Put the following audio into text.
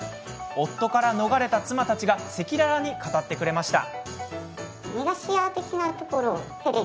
夫から逃れた妻たちが赤裸々に語ってくれました。